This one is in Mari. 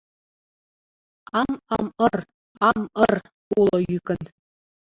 — Ам-ам-ыр, ам-ыр, — уло йӱкын.